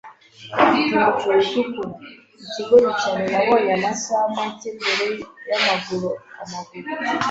bafite ingofero itukura - ikigoryi cyane nabonye amasaha make mbere yamaguru-amaguru